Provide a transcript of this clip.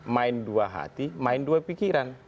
main dua hati main dua pikiran